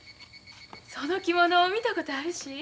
その着物見たことあるし。